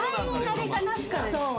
そう。